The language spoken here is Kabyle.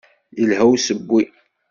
Yelha usewwi.